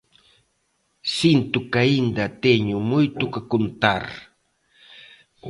Sinto que aínda teño moito que contar.